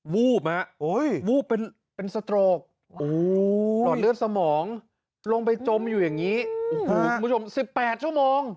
วูบวูบเป็นสโตรกหลอดเลือดสมองลงไปจมอยู่อย่างนี้โอ้โหคุณผู้ชม๑๘ชั่วโมง